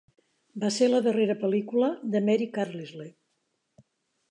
Va ser la darrera pel·lícula de Mary Carlisle.